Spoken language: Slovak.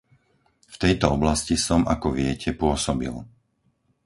V tejto oblasti som, ako viete, pôsobil.